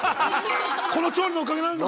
◆この調理のおかげなのか。